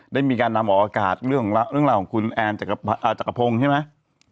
ได้มีการนำออกอากาศเรื่องราวของคุณแอนจักรพงศ์ใช่ไหม